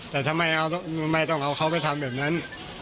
แต่ทำไมต้องเอาเขาไปทำแบบนั้น